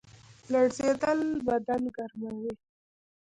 لړزیدل بدن ګرموي